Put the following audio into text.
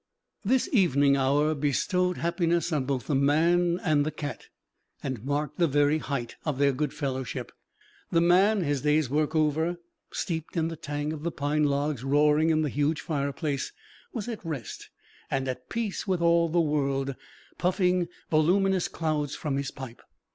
This evening hour bestowed happiness on both the man and the cat, and marked the very height of their goodfellowship. The man, his day's work over, steeped in the tang of the pine logs roaring in the huge fireplace, was at rest and at peace with all the world, puffing voluminous clouds from his pipe.